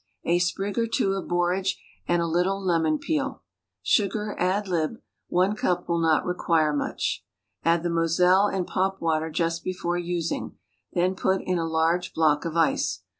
A sprig or two of borage, and a little lemon peel. Sugar ad lib.: one cup will not require much. Add the moselle and popwater just before using; then put in a large block of ice.